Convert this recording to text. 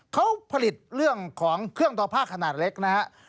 เขาผลิตเรื่องของเครื่องต่อผ้าขนาดเล็กนะฮะ